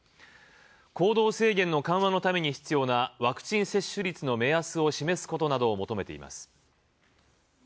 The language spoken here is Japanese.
行動制限の緩和のために必要なワクチン接種率の目安を示すことなどを求めています。